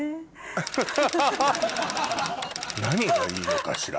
何がいいのかしら？